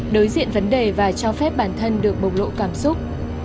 đối diện vấn đề và cho phép bản thân được bộc lộ cảm xúc